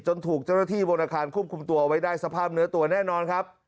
ถูกเจ้าหน้าที่บนอาคารควบคุมตัวไว้ได้สภาพเนื้อตัวแน่นอนครับ